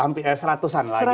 hampir seratusan lah